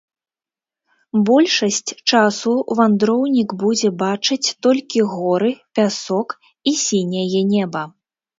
Большасць часу вандроўнік будзе бачыць толькі горы, пясок і сіняе неба.